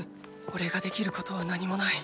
⁉おれができることは何もない。